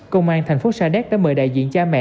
công an thành phố sa đéc đã mời đại diện cha mẹ